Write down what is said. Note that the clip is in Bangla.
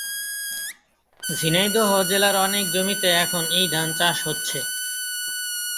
ঝিনাইদহ জেলার অনেক জমিতে এখন এই ধান চাষ হচ্ছে।